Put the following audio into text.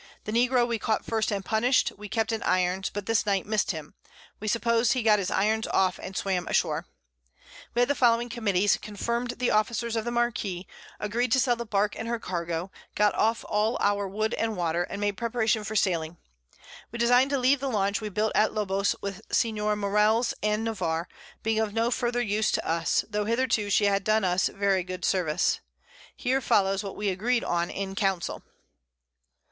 The Negro we caught first and punished, we kept in Irons, but this Night miss'd him. We suppose he got his Irons off, and swam ashore. We had the following Committees, confirmed the Officers of the Marquiss, agreed to sell the Bark and her Cargo, got off all our Wood and Water, and made Preparation for Sailing. We design to leave the Launch we built at Lobos with Sen. Morells and Navarre, being of no farther use to us, tho' hitherto she had done us very good Service. Here follows what we agreed on in Council.